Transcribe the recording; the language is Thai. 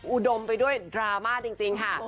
อุดมไปด้วยดราม่าจริงค่ะ